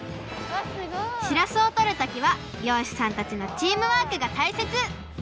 しらすをとるときはりょうしさんたちのチームワークがたいせつ！